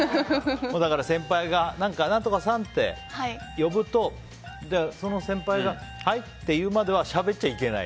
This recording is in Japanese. だから、先輩が何とかさんって呼ぶとその先輩がはいって言うまではしゃべっちゃいけない。